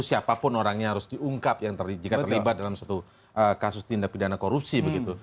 siapapun orangnya harus diungkap yang jika terlibat dalam satu kasus tindak pidana korupsi begitu